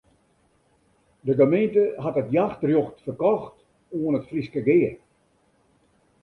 De gemeente hat it jachtrjocht ferkocht oan it Fryske Gea.